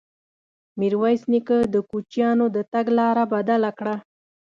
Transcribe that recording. ميرويس نيکه د کوچيانو د تګ لاره بدله کړه.